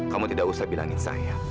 kamu tidak usah bilangin saya